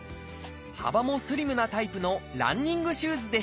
幅もスリムなタイプのランニングシューズでした。